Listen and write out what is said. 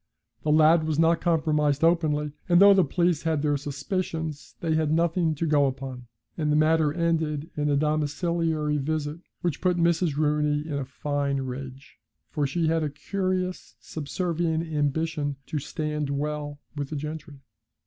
The lad was not compromised openly; and though the police had their suspicions, they had nothing to go upon, and the matter ended in a domiciliary visit which put Mrs. Rooney in a fine rage, for she had a curious subservient ambition to stand well with the gentry.